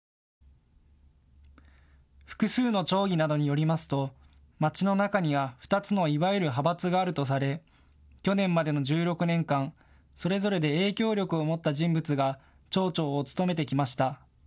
複数の町議などによりますと町の中には２つのいわゆる派閥があるとされ、去年までの１６年間、それぞれで影響力を持った人物が町長を務めてきました。